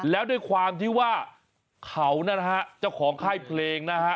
แล้วด้วยความที่ว่าเขานะฮะเจ้าของค่ายเพลงนะฮะ